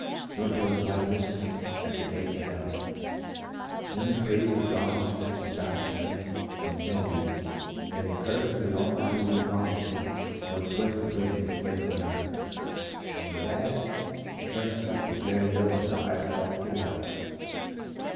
" Sure, 'twas like listenin' at the gates of hell 1 Thin the priest o' Gawd he stretches out his hand, an' sez he, 'May the curse ov the Almighty be upon this Hill, for 'tis the wickedest place on earth.' An' bedad, the curse stuck to Cherry Hill till the Irish all cleared out."